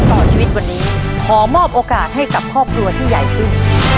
ต่อชีวิตวันนี้ขอมอบโอกาสให้กับครอบครัวที่ใหญ่ขึ้น